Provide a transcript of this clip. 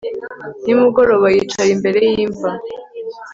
nimugoroba yicara imbere y'imva